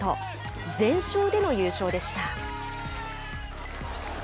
全勝での優勝でした。